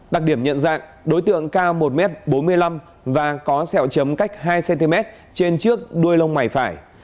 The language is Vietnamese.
đặc điểm nhận dạng đối tượng cao một m bốn mươi năm và có sẹo chấm cách hai cm trên trước đuôi lông mày phải